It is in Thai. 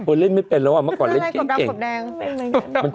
ควรเล่นไม่เป็นแล้ว